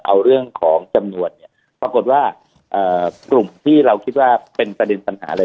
เอาเรื่องของจำนวนเนี่ยปรากฏว่ากลุ่มที่เราคิดว่าเป็นประเด็นปัญหาเลย